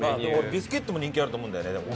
ビスケットも人気あると思うんだよねでも。